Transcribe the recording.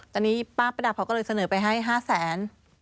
ตอนนี้ป้าประดับเขาก็เลยเสนอไปให้๕แสน